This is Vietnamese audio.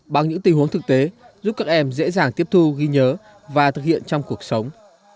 bằng những tình huống thực tế giúp các em dễ dàng tiếp thu ghi nhớ và thực hiện trong cuộc sống